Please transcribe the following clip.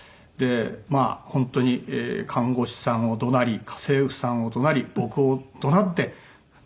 まあ本当に看護師さんを怒鳴り家政婦さんを怒鳴り僕を怒鳴って。